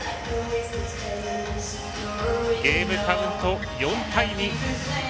ゲームカウント４対２。